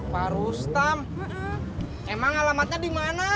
pak rustam emang alamatnya dimana